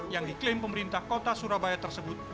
yang diklaim pemerintah kota surabaya tersebut